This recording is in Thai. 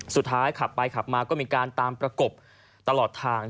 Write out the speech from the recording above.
ขับไปขับมาก็มีการตามประกบตลอดทาง